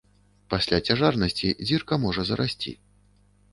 Пасля цяжарнасці дзірка можа зарасці.